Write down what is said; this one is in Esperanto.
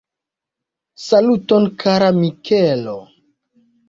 Saluton kara Mikelo!